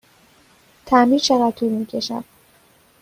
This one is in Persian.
تعمیر چقدر طول می کشد؟